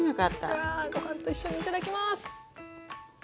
うわあご飯と一緒にいただきます！